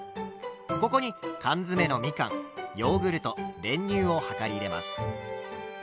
ここに缶詰のみかんヨーグルト練乳を量り入れます。